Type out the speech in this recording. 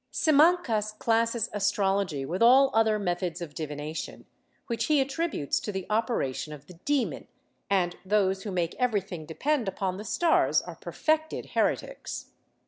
^ Simancas classes astrology with all other methods of divination, which he attrib utes to the operation of the demon, and those who make every thing depend upon the stars are perfected heretics.